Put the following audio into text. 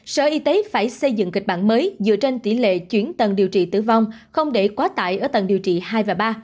sở y tế phải xây dựng kịch bản mới dựa trên tỷ lệ chuyển tầng điều trị tử vong không để quá tải ở tầng điều trị hai và ba